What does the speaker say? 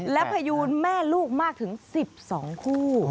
และพยูนแม่ลูกมากถึง๑๒คู่